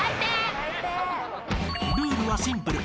［ルールはシンプル。